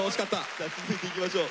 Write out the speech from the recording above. さあ続いていきましょう。